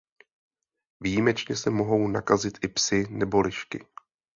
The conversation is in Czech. Výjimečně se mohou nakazit i psi nebo lišky.